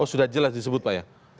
sudah jelas disebut pak ya